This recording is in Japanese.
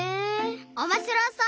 おもしろそう！